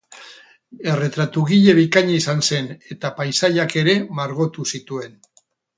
Erretratugile bikaina izan zen eta paisaiak ere margotu zituen.